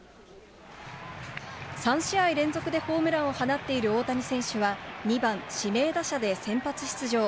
３試合連続でホームランを放っている大谷選手は、２番指名打者で先発出場。